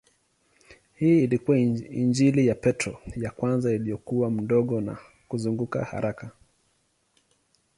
Hii ilikuwa injini ya petroli ya kwanza iliyokuwa ndogo na kuzunguka haraka.